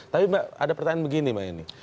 tapi mbak ada pertanyaan begini mbak yeni